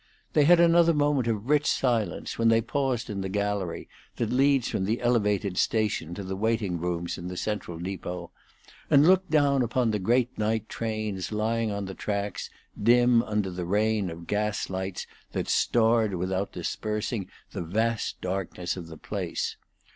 They had another moment of rich silence when they paused in the gallery that leads from the Elevated station to the waiting rooms in the Central Depot and looked down upon the great night trains lying on the tracks dim under the rain of gas lights that starred without dispersing the vast darkness of the place.